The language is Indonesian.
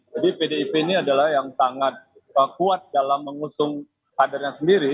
jadi pdip ini adalah yang sangat kuat dalam mengusung kadernya sendiri